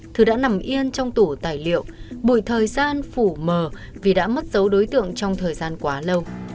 thứ đã nằm yên trong tủ tài liệu bụi thời gian phủ mờ vì đã mất dấu đối tượng trong thời gian quá lâu